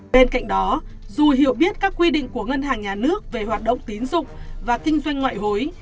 bên cạnh đó dù hiểu biết các quy định của ngân hàng nhà nước về hoạt động tín dụng và kinh doanh ngoại hối